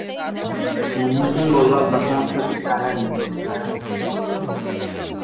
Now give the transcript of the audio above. মহসিন বলল, আপনার সমস্যা কি জানেন দুলড়াই?